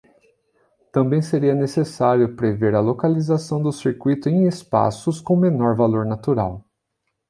Também seria necessário prever a localização do circuito em espaços com menor valor natural.